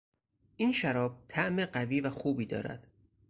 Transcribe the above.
این شراب طعم قوی و خوبی دارد.